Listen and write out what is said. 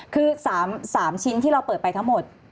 คือ๓ชิ้นที่เราเปิดไปทั้งหมด